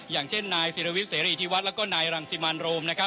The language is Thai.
อย่างเช่นนายศิรวิสเสรียริทิวัฒน์และนายรังสิมันโรม